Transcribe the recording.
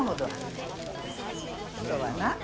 人はな